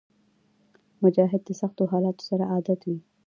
مجاهد د سختو حالاتو سره عادت وي.